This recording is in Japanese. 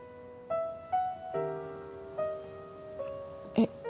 えっ？